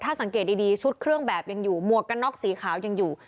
ถ้าสังเกตดีชุดเครื่องแบบยังอยู่หมวกกันน็อกสีขาวยังอยู่